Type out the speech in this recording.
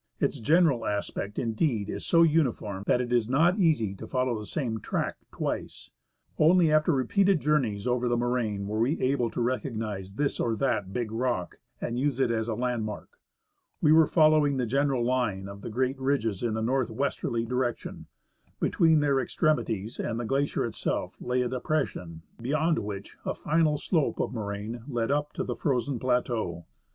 Its general aspect, indeed, is so uniform that it is not easy to follow the same track twice. Only after repeated journeys over the moraine were we able to recognise this or that big rock, and use it as a landmark. We were following the general line of the greater ridges in a north westerly direction. Between their extremities and the glacier itself lay a depression, beyond which a final slope of moraine led up to the frozen plateau.